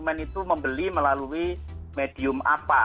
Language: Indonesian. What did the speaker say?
maka konsumen itu membeli melalui medium apa